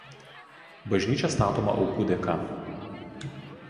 Bažnyčia statoma aukų dėka.